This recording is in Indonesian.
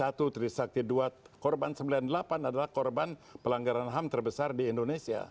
yang terpapar jadi korban itu korban trisakti i trisakti ii korban sembilan puluh delapan adalah korban pelanggaran ham terbesar di indonesia